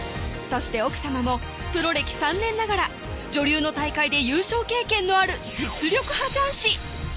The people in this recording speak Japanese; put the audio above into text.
そして奥さまもプロ歴３年ながら女流の大会で優勝経験のある実力派雀士